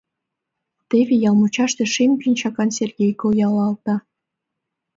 Теве ял мучаште шем пинчакан Сергей койылалта.